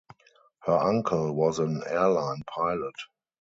Her uncle was an airline pilot.